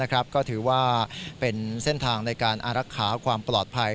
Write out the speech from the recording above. ก็ถือว่าเป็นเส้นทางในการอารักษาความปลอดภัย